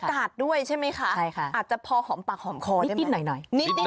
มีโอกาสด้วยใช่ไหมค่ะใช่ค่ะอาจจะพอหอมปากหอมคอได้ไหมนิดนิดหน่อยหน่อย